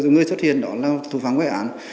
người xuất hiện đó là thủ phán gây án